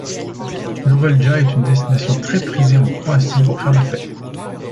Novalja est une destination très prisée en Croatie pour faire la fête.